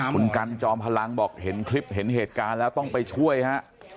คุณกันจอมพลังบอกเห็นคลิปเห็นเหตุการณ์แล้วต้องไปช่วยฮะ